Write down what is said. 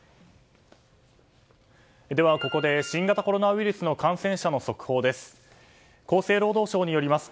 ここで新型コロナウイルスの感染者の速報です。